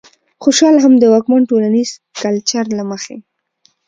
خوشال هم د واکمن ټولنيز کلچر له مخې